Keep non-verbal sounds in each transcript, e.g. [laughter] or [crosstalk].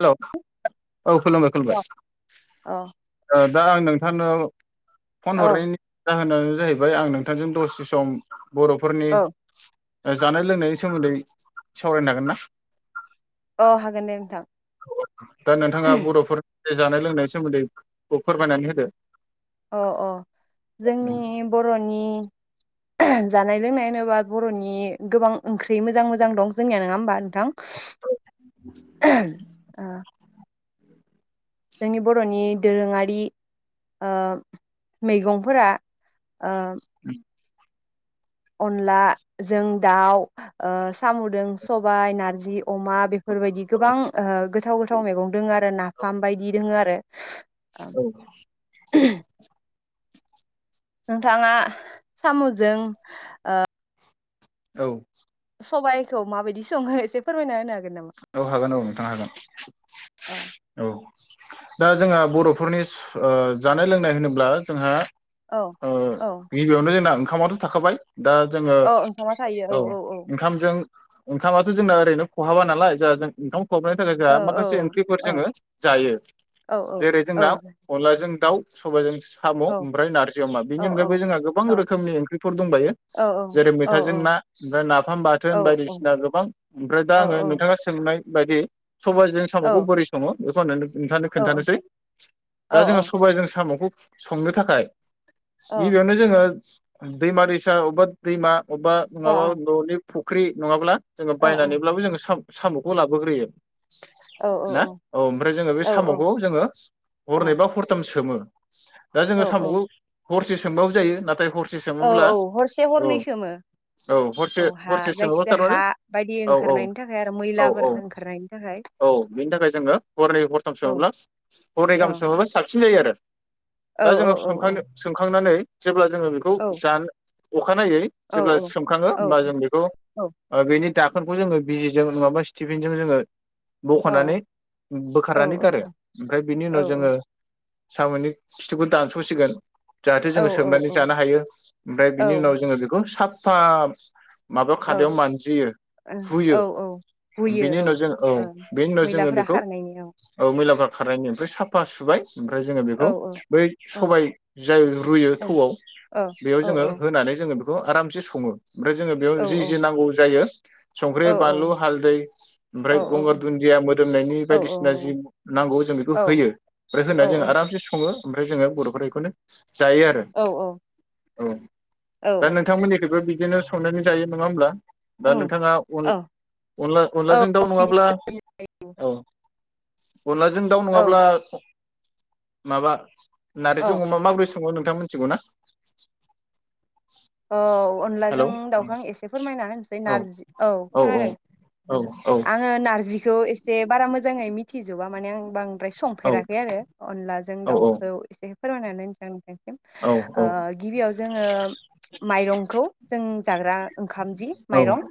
Hello औ खुलुमबाय अ खुलुमबाय। औ ओ दा आं नोंथांनो फन औ हरनायनि जाहोना जाहैबाय आं नोंथांजों दसे सम बर'फोरनि औ जानाय लोंनायनि सोमोन्दै सावरायनो हागोन ना औ हागोन दे नोंथां औ दा नोंथाङा बर'फोर जे जानाय लोंनायनि सोमोन्दै बे फोरमायनानै होदो अ अ जोंनि बर'नि [unintelligible] जानाय लोंनाय होनोबा बर'नि गोबां ओंख्रि मोजां मोजां दं जोंनिया नङा होमबा थां [unintelligible] जोंनि बर'नि दोरोङारि ओ मैगंफोरा ओ [unintelligible] अनला जों दाउ ओ साम'जों सबाय नारजि अमा बे बेफोरबायदि औ गोबां ओ गोथाव गो थ मैगं रोङो आरो नाफाम बायदि रोङो आरो ओं नोंथाङा साम'जों ओ औ सबाइखौ माबायदि सङो एसे फोरमायना होनो हागोन नामा? औ हागोन औ नोंथांनो हागोन अ औ दा जोंहा बर'फोरनि ओ जानाय लोंनाय होनोब्ला जोंहा औ ओ औ गिबियावनो जोंना ओंखामाथ' थाखाबाय दा जोङो औ ओंखामजों ओंखामाथ' जोंना ओरैनो ख'हाबा नालाय जोंहा ओंखाम खहाबनायनि थाखाय औ जोंहा माखासे ओंख्रिफोर औ जोङो जायो औ जेरै औ जोंना अनलाजों दाउ सबायजों साम' औ ओमफ्राय नारजि अमा औ बेनि औ अनगायैबो जोंहा गोबां रोखोमनि ओंख्रिफोर दंबायो औ जेरै औ मैथाजों औ ना ओमफ्राय नाफाम बाथोन बायदिसिना गोबां ओमफ्राय दा आङो सोंनाय बायदि सबाइजों औ साम'खौ बोरै सङो बेखौ [unintelligible] नोंथांनो खोन्थानोसै दा जोंहा सबाय जों साम'खौ संनो थाखाय गिबियावनो जोङो दैमा दैसा अबेबा दैमा अबा माबा न'नि फुख्रि नङाब्ला जोङो बायनानैब्लाबो जोङो साम साम'खौ लाबोग्रोयो ना औ ओमफ्राय जोङो बे साम'खौ जोङो हरनैबा हरथाम सोमो दा औ जोङो औ साम'खौ हरसे सोमबाबो जायो नाथाय हर औ औ हरसे हरनै सोमो हरसे औ हा हरसे सोङोब्ला जायखिजाया थारमाने हा बायदि औ औ ओंखारनायनि थाखाय आरो औ मैलाफोर औ ओंखारनायनि थाखाय औ बेनि थाखाय जोङो हरनै हरथाम औ सोङोब्ला हरनै औ गाहाम सोङोब्ला साबसिन जायो आरो [inaudible] औ दा जोङो औ सोमखां औ सोमखांनानै जेब्ला जोङो बेखौ औ जानो अखानायै औ जेब्ला औ सोमखाङो औ औ होमब्ला जों बेखौ ओ बेनि दाखोनखौ जोङो बिजिजों नङाबा स्टिफिनजों जोङो बख'नानै बोखारनानै औ गारो ओमफ्राय बिनि औ उनाव जोङो साम'नि खिथुखौ दानस'सिगोन जाहाथे औ जोङो सोमनानै औ जानो हायो ओमफ्राय बिनि उनाव जोङो बेखौ साब फा माबायाव खादायाव औ मानजियो ओं हुयो औ औ हुयो बेनि उनाव जों औ बेनि उनाव जोङो मैलाफोरा बेखौ खारनायनि औ मैलाफा खारनायनि आमफ्राय साफ पा सुबाय ओमफ्राय जोङो औ बेखौ औ बै औ सबाय जाय रुयो औ थौआव बेयाव औ जोङो होनानै जोङो बे खौ आरामसे सङो ओमफ्राय जोङो औ बेयाव जि जि नांगौ जायो औ संख्रि बानलु हालदै ओमफ्राय औ गंगार दुनन्दिया मोदोमनायनि औ बायदिसिना जि नांगौ जों बेखौ जों होयो आमफ्राय होनानै जोङो आरामसे सं ङो ओमफ्राय जोङो बर'फोरा एखौनो जायो आरो औ दा औ नोंथांमोननिखैबो बिदिनो संनानै जायो नङा होमब्ला दा उम नोंथाङा अन औ अनला औ अनलाजों दाउ नङाब्ला बिदिनो औ अनलाजों दाउ औ नङाब्ला माबा नारैजों औ अमा माबोरै सङो नोंथांमोन थिगौना ओ औ अनलाजों दाउखां एसे फोरमायनानै होनसै औ नारजि औ खोनादों औ औ आङो नारजिखौ एसे बारा मोजाङै मिथिजोबा माने आं बां द्राय संफेराखै आरो अनलाजों औ दाउखौ एसे [unintelligible] औ औ ओ गिबियाव जोङो माइरंखौ जों जाग्रा ओंखाम जि औ माइरं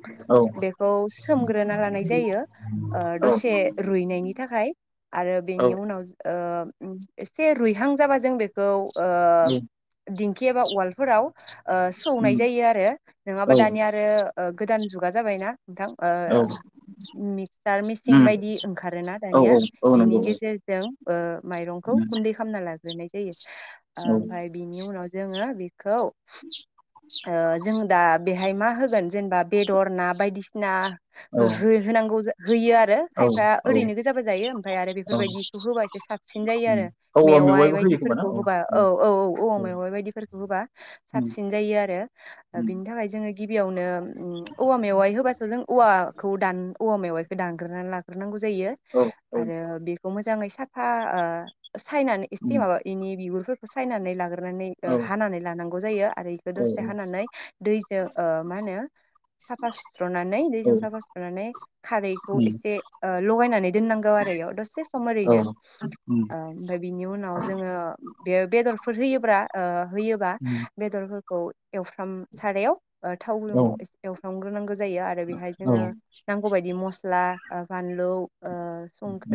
बेखौ सोमग्रोना लानाय जायो औ दसे रुइनायनि थाखाय आरो औ बेनि उनाव एसे रुइहां जाबा जों बेखौ उम दिं खियाबा उवालफोराव ओ सौनाय उम जायो आरो औ नङाबा दानिया आरो गोदान जुगा जाबायना औ नोंथां मिक्सार मिसिं उम बायदि ओंखारोना औ दानिया औ बेनि नंगौ औ गेजेरजों माइरंखौ गुनदै खालामना लागो देनाय जायो उम ओमफ्राय बिनि उनाव जोङो बे खौ जों दा बेहाय मा होगोन जेनेबा बेदर ना बायदिसिना औ हो-होनांगौ होयो आरो औ खायफाया ओरैनो गोजाबो जायो ओमफ्राय आरो औ बेफोरबायदिखौ होबा एसे साबसिन जायो आरो औवा मेवाइ मेवाइबो होयो खोमा ना बायदिफोरखौ होबा औ औ औ औ औवा मेवाइ बायदिफोरखौ होबा उम साबसिन जायो आरो उम बिनि थाखाय जोङो गिबियावनो औवा मेवाइ होबासो जों औवाखौन औवा मेवाइखौ दानग्रोनानै लाग्रोनांगौ होयो औ औ आरो बेखौ मो मोजाङै साफा सायनानै एसे उम माबा इनि बिगुरफोर खौ सायनानै लागोन औ हानानै लानां बेयो आरो बेखौ औ दसे हानानै दैजों ओ मा होनो साफा सुस्रनानै औ दैजों साफा सुनानै खारैखौ उम इसे ओ लगायनानै दोननांगौ आरो बेयाव दसे सम औ ओरैनो उम ओ ओमफाय बिनि उनाव जोङो बे-बेदरफोर होयोब्रा ला ओ होयो उम बेदरफोर खौ एवफ्राम सारायाव ओ थाव औ गुदुङाव एसे एवफ्रामो आरो नांगो जायो आरो बेहाय जोङो नांगौ बायदि मस्ला आ फानलौ ओ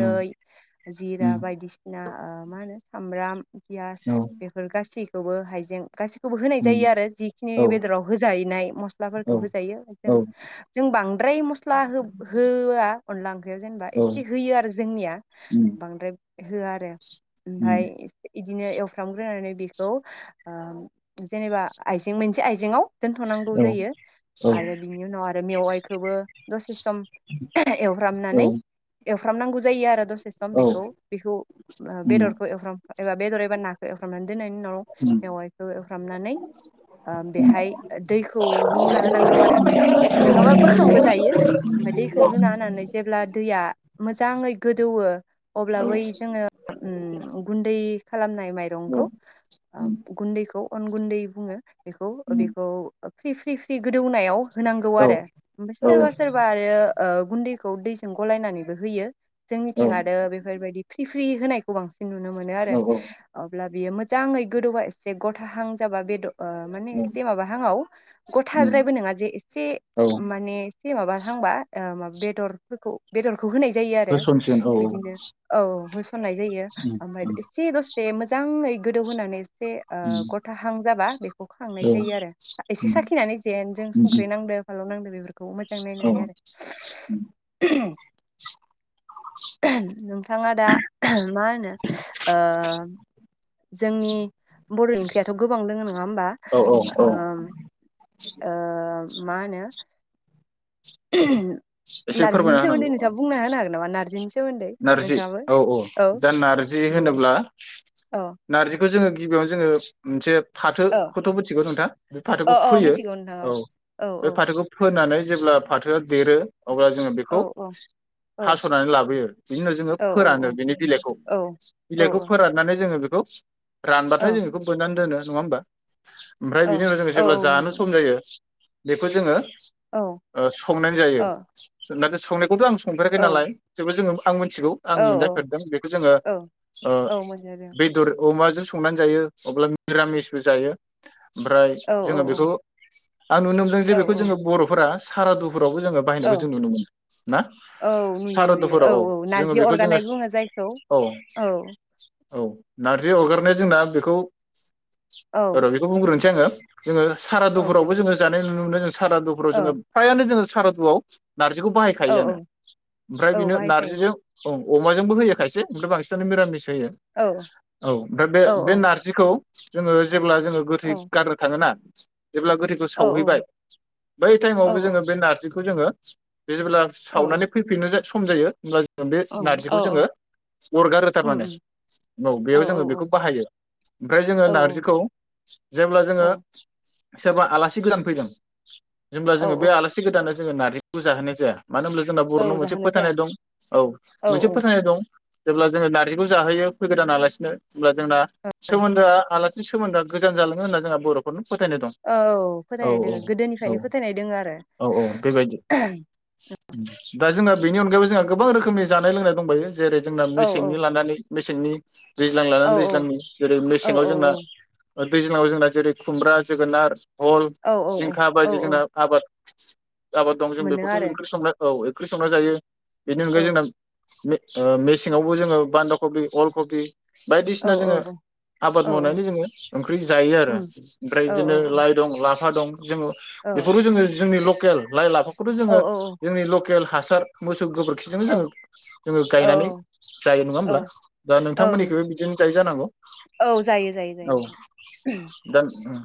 उम उम औ जिरा उम बायदिसिना ओ मा होनो सामब्राम पियास औ औ उम औ बेफोर गासै खौबो हाइजें गास खौबो औ होनाय उम उम जायो आरो जिखिनि औ बेदराव होजाहैनाय मसलाफोरखौ होजायो जों औ जों बांद्राय मसला हो-होआ अनला ओंख्रियाव जेनेबा एसे होयो आरो जोंनिया बांद्राय होआ आरो ओमफ्राय एसे इद बिदिनो एवफ्रामग्रोनानै बेखौ आ जेनेबा आइजें मोनसे आइजेंआव दोनथ'नांगौ जायो आरो बिनि उनाव आरो मेवाइखौबो दसे सम एवफ्रामनानै उम एव फ्राम नांगौ जायो आरो द से सम बेखौ बेखौ ओ बेदरखौ एवफ्राम बेदर एबा नाखौ एवफ्रामनानै दोननायनि उनाव मेवाइ खौ एवफ्रामनानै ओ बेहाय दैखौ लुना होनांगौ आरो नोङाबा बोखांबो जायो ओमफाय दैखौ लुना होनानै जेब्ला दैया मोजाङै गोदौवो अब्ला बै जोङो ओम गुन्दै खालामनाय माइरंखौ ओ गुन्दै खौ अन गुन्दै बुङो। बेखौ ओ उम बेखौ फ्रि फ्रि फ्रि गोदौनायाव होनांगौ आरो ओमफाय औ सोरबा सोरबा आरो ओ गुन्दैखौ दैजों गलायनानैबो होयो। औ जोंनिथिं आरो बेफोरबायदि फ्रि फ्रि होनायखौ बां सिन नुनो मोनो आरो औ अब्ला बियो मोजाङै गोदौबा एसे गथाहां जाबा बेद ओ माने औ एसे माबाहांआव उम गथाद्रायबो नङा जे एसे औ माने एसे माबाहांबा ओ मा बेदरफोरखौ बेदर खौ होनाय जायो आरो। होसनसिन औ बिदिनो औ होस'ननाय जायो उम ओमफाय उम एसे दसे मोजांङै गोदौ होनानै एसे ओ उम गथाहां जाबा बेखौ खांनाय औ जायो आरो एसे उम साखिनानै जेनजों उम संख्रि नांदो फालौ नांदो बेफोरखौ मोजां नायनानै उम आरो नोंथाङा दा मा होनो ओ जोंनि बर'नि ओंख्रियाथ' गोबां दङ नङा होमबा औ औ ओम ओ ओ मा होनो [unintelligible] एसे नारजिनि फोरमायना सोमोन्दै होनांगौ नोंथाङा बुंना होनो हागोन नामा नारजिनि सोमोन्दै नारजि नोंथाङाबो औ औ दा नारजि दे होनोब्ला औ नारजि बेखौ जोङो गिबियावनो जोङो मोनसे औ फाथोखौथ' मिथिगौ नोंथाङा बे औ फाथोखौ औ फोयो मिथिगौ नोंथां औ औ बे औ फाथोखौ फोनानै जेब्ला फाथोआ देरो अब्ला जोङो औ बेखौ औ हास'नानै लाबोयो बिनि उनाव जोङो औ फोरानो बिनि बिलाइखौ औ औ बिलाइखौ फोराननानै जोङो बे गौ औ रानबाथाय जों बेखौ बोननानै दोनो नङा होमबा ओमफ्राय औ बिनि उनाव जोङो औ जेब्ला औ जानो नंगौ सम नंगौ जायो बेखौ जोङो औ ओ संनानै जायो औ संनायखौ संनायखौथ आं संफेराखै औ नालाय जेबो जोङो आं मिथिगौ आं औ औ मोनजाफेरदों बेखौ जोङो औ औ मोनजादों बेदर अमा जो जों संनानै जायो अब्ला मिरामिसबो जायो ओमफ्राय औ जोङो बेखौ औ आं नुनो मोन्दों जे औ बेखौ औ जोङो बरफोरा सारा दुख फोरावबो जो बायहायख औ जों नुनो मोन ना औ नुयो नुयो सारदुफोराव औ जोङो नारजि बेखौ जोङो अरगानाय बुङो जायखौ औ औ नारजि हगारनाया जोंना बेखौ औ र बिखौ बुंग्रोनोसै आङो [inaudible] जोङो औ दे सारादुफोरावबो जोङो जानाय नुनो मोनो साराव जोङो औ फ्राइयानो जोंङो सारादुआव नार्जिखौ औ बाहायखायोआनो औ ओमफ्राय औ बेनो बाहायखायो नार्जिजों औ अमाजोंबो होयो खायस ओमफ्राय बांसिनानो मिरानिस होयो औ औ ओमफ्राय बे औ बे नारजिखौ जोङो जेब्ला जोङो गोथै औ गारनो थाङोना [unintelligible] जेब्ला गोथैखौ औ सावहैबाय बै टाइमावबो जोङो बे नारजिख खौ जोङो जेब्ला आं औ सावनानै फैफिननो जा सम जायो हब्ला बे औ औ नार्जिखौ औ जोङो अरगारो उम थारमाने उम औ बेयाव जोङो बेखौ बाहायो ओमफ्राय जोङो औ नारजिखौ जेब्ला जोङो सोरबा आलासि गोदान फैदों। जेब्ला औ जोङो बे औ आलासि गोदाननो [inaudible] [inaudible] मानो होनब्ला जोंना बर'नाव औ मोनसे जाहोनाय जाया फोथायनाय दं औ मोनसे फोथायनाय दं। जेब्ला जोङो नारजिखौ जाहोयो फैगोदान आलासिनो होमब्ला जोंना औ सोमोन्दोआ आला सोमोन्दोआ गोजान जालाङो होनना जोंहा बर'फोरनो -' औ फोथायनाय दोङो औ गोदोनिफ्रायनो फोथायनाय दोङो आरो। औ औ [unintelligible] दा जोंना बेनि अनगायै जोंहा गोबां रोखोमनि जानाय-लोंनाय दंबायो। जेरै जोंना औ मेसेंनि लानानै मेसेंनि दैज्लां औ लानानै दैज्लांनि जेरै औ मेसेङाव जोंना दैज्लाङाव जोंना जेरै खुमब्रा जोगोनार फल औ जिंखा औ बायदि जोंना औ आबाद [unintelligible] आबाद। दं जों मोनो बेफोरखौ आरो ओंख्रि संनाय औ [unintelligible] संना जायो। बेनि औ अनगायै जोंना मे ओ मेसेङावबो जोङो बान्दा कबि अल कबि औ बायदिसिना औ जोङो आबाद औ औ मावनानै जोङो ओंख्रि जायो आरो उम ओमफ्राय औ बिदिनो औ लाइ दं लाफ फा दं। जोङो औ बेफोरखौ जोङो जोंनि लख केल लाय लाफा खौथ' औ जोङो औ जोंनि लकेल हासार मोस गोबोरखिजों जोङो जोङो गायनानै औ जायो नङा औ होमब्ला? दा औ नंगौ नोंथांमोननिखैबो बिदिनो जाय जानांगौ औ जायो जायो जायो औ नोंथां दा उम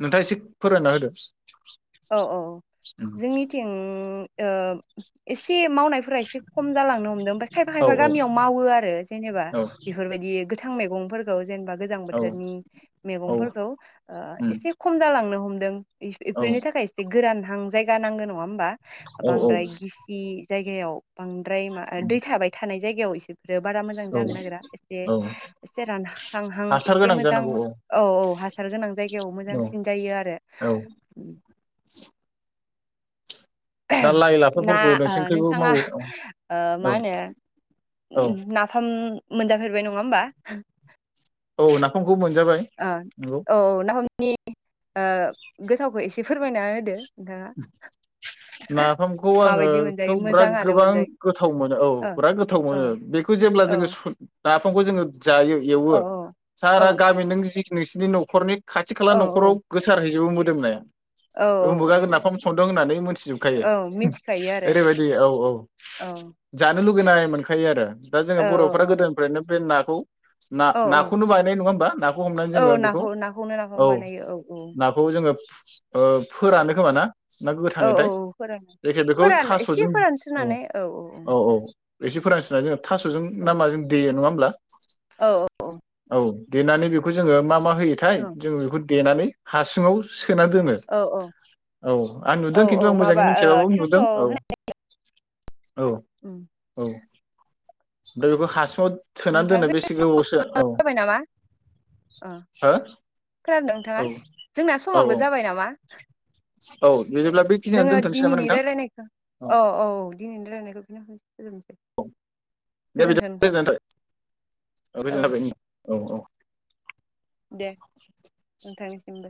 नोंथाङा एसे फोरमायना होदो। औ औ औ। औ जोंनिथिं ओ एसे मावनाय फ्रा इसे खम जालांनो हमदों ओमफाय खायफा खायफा औ गामियाव मावो आरो जेनेबा औ बेफोरबायदि गोथां मैगं फोरखौ जेनेबा गोजां औ बोथोरनि औ मैगंफोरखौ ओ उम एसे खम जालांनो हम दों इ औ बेनि थाखाय एसे गोरान रान जायगा नांगौ नङा होमबा? औ बांद्राय गिसि जायगायाव बां द्राय मा ओ दै थाबाय थानाय जायगायाव एसे बारा मोजां औ जानो नागिरा एसे औ एसे रानहांहां हासार एसे गोनां मोजां जानांगौ औ औ हासार गोनां जायगायाव औ मोजांसिन जायो आरो। औ दा [unintelligible] लाइ ना लाफाफोरखौ ओ नोंसोरनिखैबो नोंथाङा मावो औ ओ मा औ होनो औ नाफाम मोनजाफेरबाय नङा होमबा [unintelligible] औ नाफाम ओ औ औ नाफाम। नि ओ गोथावखो एसे फोरमायना होदो। नोंथाङा नाफामखौ माबायदि मोनजायो आङोथ' बिराद मोजाङानो गोबां मोनजायो गोथाव मोनो औ बिराद गोथाव ओ मोनो बेखौ जेब्ला ओ जोङो स नाफामखौ जोङो जायो एवो औ औ सारा गामि नों जि नोंसिनि नखरनि खाथि-खाला औ न'खराव गोसारहैजोबोमोन। दोंलाय। औ औ औ। सामु सदों होनानै मोनथिजोबखायो औ मिथिखायो आरो ओरैबायदि औ औ औ जानो लुबै गैनाय मोनखायो आरो। दा जोङो औ बर'फ्रा गोदोनिफ्रायनो बे ना खौ। ना औ औ नाखौनो बायनाय नङा होमबा नाखौ हमनानै औ जोङो बेखौ नाखौ नाखौनो नाफाम औ बानायो औ औ नाखौ जोङो फोरानो खोमा ना? ना औ गोथाङैथाय औ फोरान जायखिजाया बेखौ थास'जों औ औ औ। एसे फोरनस्रोना जोंङो थास'जों ना माजों दैयो नङा होमब्ला। औ। देनानै बेखौ जोङो मा मा होयोथाय जोङो बेखौ देनानै हासुङाव सो सोना दोनो। औ औ औ औ आं औ नुदों खिन्थु औ आं मोजाङै माबा ओ मिथियाबाबो थास' नुदों औ‌। होन औ औ। दा बेखौ हासुआव सोना दोनो नोंथांजों बेसे गोबावसो औ जाबाय नामा अ हो खोनादों नोंथाङा औ जोंना औ समाबो औ जाबाय नामा? औ दे बिदिब्ला बेखिनियावनो जोङो दोनथ'नोसै नामा दिनैनि नोंथां रायलायनायखो औ औ दिनैनि रायलायनायखो बेखि गोजोनथो दे बेदिबा गोजोननाय थाबाय औ गोजोननाय थाबाय औ औ। दे नोंथांनिसि सिमबो।